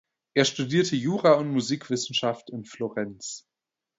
Er studierte Jura und Musikwissenschaft in Florenz.